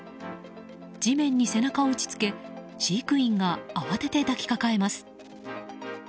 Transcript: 地面に背中を打ち付け飼育員が慌てて抱きかかえます。